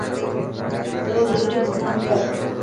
روز اوٺي سنان ڪر.